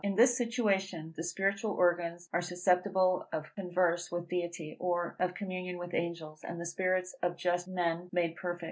In this situation, the spiritual organs are susceptible of converse with Deity, or of communion with angels, and the spirits of just men made perfect.